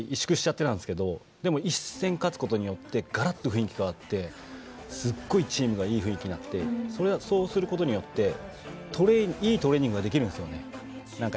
怖いな怖いなと萎縮しちゃっていたんですけどでも１戦勝ったことによってがらっと雰囲気が変わってすごくいい雰囲気になってそうすることによっていいトレーニングができるんですよね。